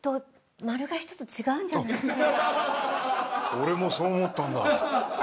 俺もそう思ったんだ。